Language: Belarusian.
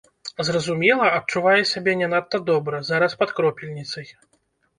Зразумела, адчувае сябе не надта добра, зараз пад кропельніцай.